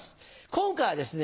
今回はですね